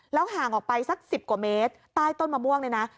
แล้วห่างออกไปสัก๑๐กว่าเมตรใต้ต้นมะม่วงนะ